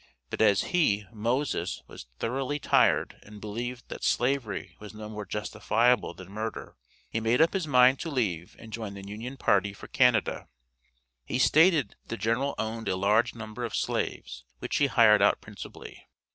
But as he (Moses) was thoroughly tired, and believed that Slavery was no more justifiable than murder, he made up his mind to leave and join the union party for Canada. He stated that the general owned a large number of slaves, which he hired out principally.